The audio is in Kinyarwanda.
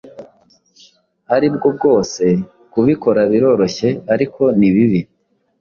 ari bwo bwose. Kubikora biroroshye ariko ni bibi,